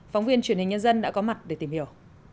phóng viên truyền hình nhân dân đã có mặt để tìm hiểu